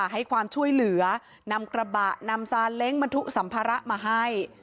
ให้ความช่วยเหลือนำกระบะนำซานเล้งบรรทุกสัมภาระมาให้